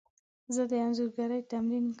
زه د انځورګري تمرین کوم.